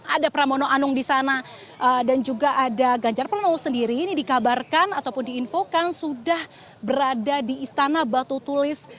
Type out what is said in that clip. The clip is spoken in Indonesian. ada pramono anung di sana dan juga ada ganjar pranowo sendiri ini dikabarkan ataupun diinfokan sudah berada di istana batu tulis